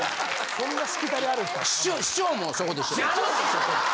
そんなしきたりあるんですか。